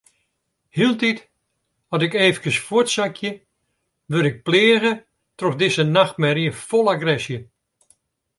Hieltyd as ik eefkes fuortsakje, wurd ik pleage troch dizze nachtmerje fol agresje.